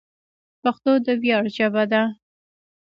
پښتو د ویاړ ژبه ده.